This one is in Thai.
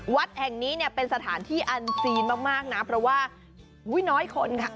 วัดแห่งนี้เนี่ยเป็นสถานที่อันซีนมากนะเพราะว่าน้อยคนค่ะ